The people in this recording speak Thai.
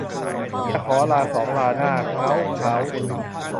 จะขอลาสองราหน้าเง้าเค้า